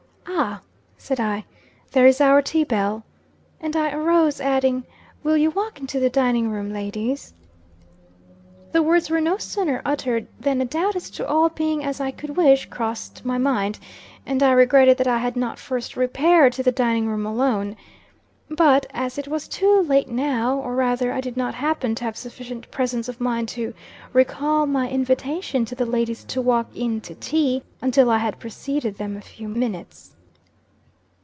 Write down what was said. "Ah," said I, "there is our tea bell," and I arose, adding, "will you walk into the dining room, ladies?" The words were no sooner uttered than a doubt as to all being as I could wish crossed my mind; and I regretted that I had not first repaired to the dining room alone. But, as it was too late now, or, rather, I did not happen to have sufficient presence of mind to recall my invitation to the ladies to walk in to tea, until I had preceded them a few minutes.